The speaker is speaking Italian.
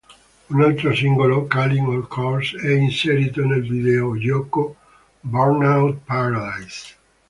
Un altro singolo, "Calling All Cars", è inserito nel videogioco "Burnout Paradise".